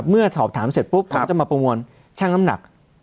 เมื่อสอบถามเสร็จปุ๊บผมจะมาประมวลช่างน้ำหนัก